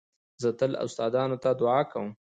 زه تل استادانو ته دؤعا کوم.